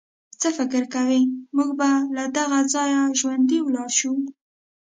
څه فکر کوئ، موږ به له دغه ځایه ژوندي ولاړ شو.